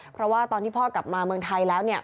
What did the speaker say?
เพราะว่าตอนที่พ่อกลับมาเมืองไทยแล้วเนี่ย